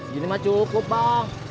gini mah cukup bang